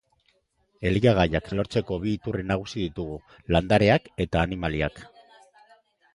Elikagaiak lortzeko bi iturri nagusi ditugu landareak eta animaliak.